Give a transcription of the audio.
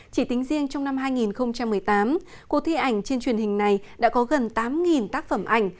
chỉ tính riêng trong năm hai nghìn một mươi tám cuộc thi ảnh trên truyền hình này đã có gần tám tác phẩm ảnh